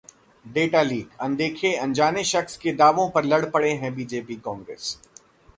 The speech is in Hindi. डेटा लीक: अनदेखे-अनजाने शख्स के दावों पर लड़ पड़े हैं बीजेपी-कांग्रेस